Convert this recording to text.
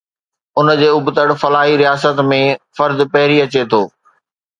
ان جي ابتڙ، فلاحي رياست ۾، فرد پهرين اچي ٿو.